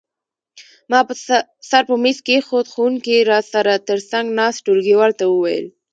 ما سر په مېز کېښود، ښوونکي را سره تر څنګ ناست ټولګیوال ته وویل.